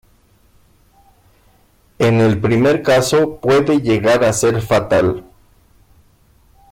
En el primer caso puede llegar a ser fatal.